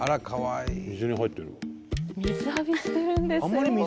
かわいい。